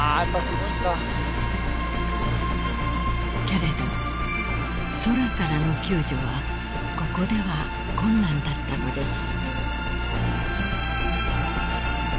［けれど空からの救助はここでは困難だったのです］